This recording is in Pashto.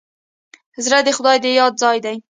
زړه د خدای د یاد ځای دی.